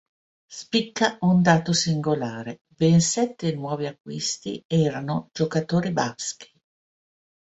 Spicca un dato singolare: ben sette nuovi acquisti erano giocatori baschi.